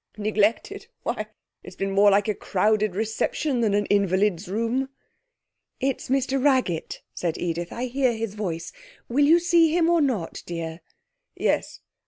'Neglected? Why, it's been more like a crowded reception than an invalid's room.' 'It's Mr Raggett,' said Edith; 'I heard his voice. Will you see him or not, dear?' 'Yes.